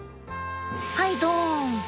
はいどん。